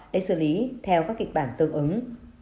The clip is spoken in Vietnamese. để xử lý theo các kịch bản tương ứng